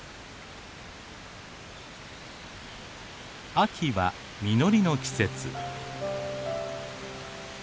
秋は実りの季節。